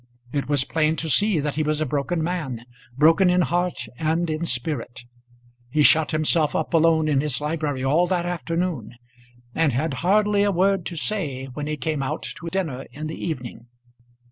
It was plain to see that he was a broken man, broken in heart and in spirit. He shut himself up alone in his library all that afternoon, and had hardly a word to say when he came out to dinner in the evening.